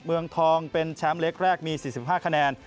เมืองทองเป็นแชมป์เล็กแรกมี๔๕คะแนน